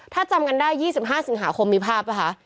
ถ้าจำกันได้๒๕สิงหาคมมีภาพป่ะคะ